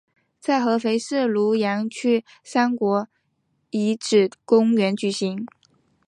在合肥市庐阳区三国遗址公园举行。